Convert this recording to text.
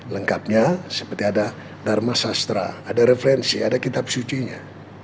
lengkapnya seperti ada dharma sastra ada referensi ada kitab sucinya